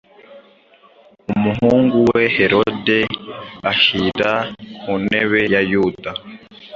Umuhungu we Herode ahyira ku ntebe ya Yuda